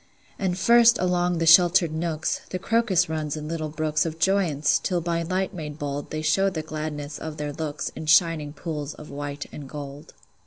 And first, along the sheltered nooks, The crocus runs in little brooks Of joyance, till by light made bold They show the gladness of their looks In shining pools of white and gold.